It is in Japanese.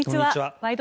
「ワイド！